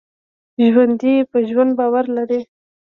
ژوندي په ژوند باور لري